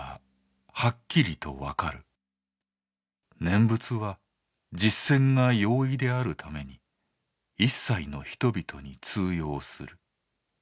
念仏は実践が容易であるために一切の人々に通用する。